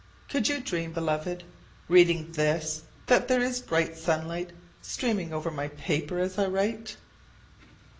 Could you dream, Beloved, reading this that there is bright sunlight streaming over my paper as I write?